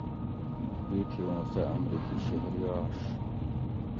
تیتھی اُوں سہۤ امریکی شہری آش